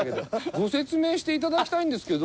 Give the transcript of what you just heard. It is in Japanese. ご説明して頂きたいんですけど。